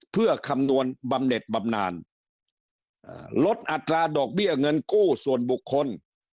เพื่อคำนวณบำเน็ตบำนานลดอัตราดอกเบี้ยเงินกู้ส่วนบุคคล